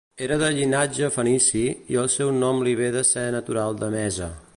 Era de llinatge fenici, i el seu nom li ve de ser natural d'Emesa.